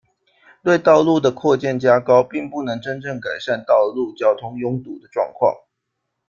对道路的扩建加高并不能真正改善城市交通拥堵的状况。